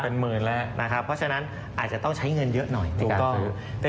เพราะฉะนั้นอาจจะต้องใช้เงินเยอะหน่อยในการซื้อ